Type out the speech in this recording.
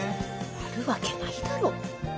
あるわけないだろ。